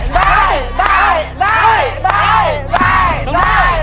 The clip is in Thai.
ได้